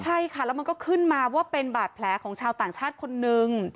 ใช่ค่ะแล้วมันก็ขึ้นมาว่าเป็นบาดแผลของชาวต่างชาติคนนึง